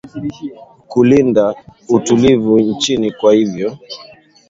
kulinda utulivu nchini kwa hivvyo